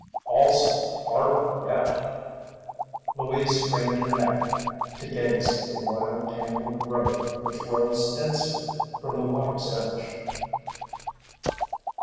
"Also harder to get." Louise craned her neck to gaze at the wild, tangled growth which rose densely from the water's edge.